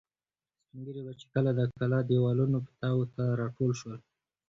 سپین ږیري به چې کله د کلا دېوالونو پیتاوو ته را ټول شول.